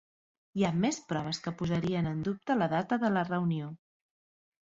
Hi ha més proves que posarien en dubte la data de la reunió.